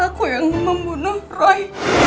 aku yang membunuh roy